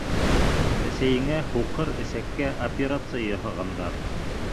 — Әсәйеңә һуҡыр эсәккә операция яһағандар.